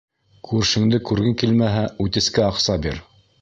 Күршеңде күргең килмәһә, үтескә аҡса бир.